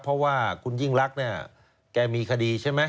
เพราะว่าคุณยิ่งรักเนี่ยแกมีคดีใช่ไหม